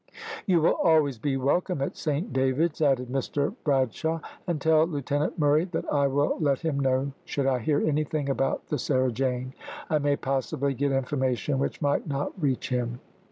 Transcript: "You will always be welcome at Saint David's," added Mr Bradshaw. "And tell Lieutenant Murray that I will let him know should I hear anything about the Sarah Jane. I may possibly get information which might not reach him."